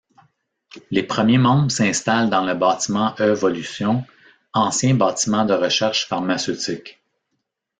Les premiers membres s'installent dans le bâtiment E-volution, ancien bâtiment de recherche pharmaceutique.